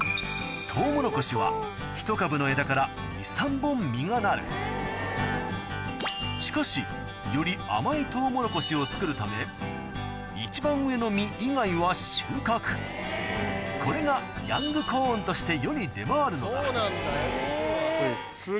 トウモロコシはしかしより甘いトウモロコシを作るため一番上の実以外は収穫これがヤングコーンとして世に出回るのだこれです。